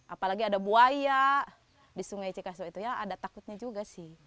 apalagi ada buaya di sungai cikaso itu ya ada takutnya juga sih